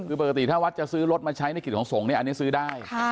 คือปกติถ้าวัดจะซื้อรถมาใช้ในกิจของสงฆ์เนี่ยอันนี้ซื้อได้